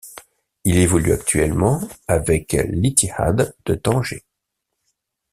Il évolue actuellement avec l'Ittihad de Tanger.